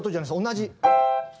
同じ。